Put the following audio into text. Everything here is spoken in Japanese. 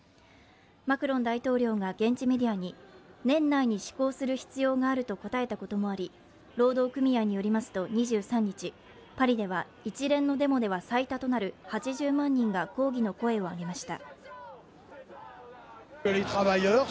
マクロン大統領が現地メディアに、年内に施行する必要があると答えたこともあり、労働組合によりますと２３日パリでは一連のデモでは最多となる８０万人が抗議の声を上げました。